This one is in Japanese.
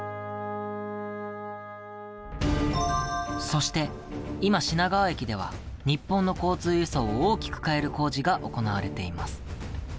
そして今、品川駅では日本の交通輸送を大きく変える工事が行われています。